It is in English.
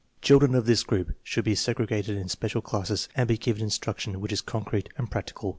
Children of this group should be segregated in special classes and be given instruction which is concrete and prac tical.